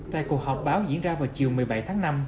tại cuộc họp báo diễn ra vào chiều một mươi bảy tháng năm